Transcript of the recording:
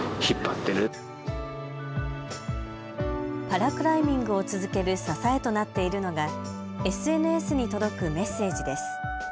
パラクライミングを続ける支えとなっているのが、ＳＮＳに届くメッセージです。